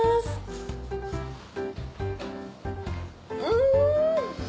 うん！